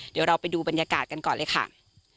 เดี๋ยวเราไปดูบรรยากาศกันก่อนเลยค่ะ